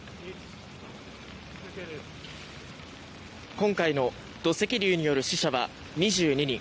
今回の土石流による死者は２２人。